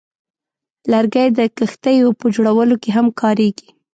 لرګی د کښتیو په جوړولو کې هم کارېږي.